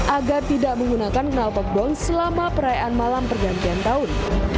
agar tidak menggunakan kenalpot bond selama perayaan malam pergantian tahun